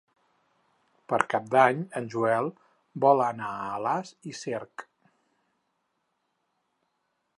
Per Cap d'Any en Joel vol anar a Alàs i Cerc.